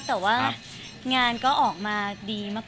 แต่ว่างานก็ออกมาดีมาก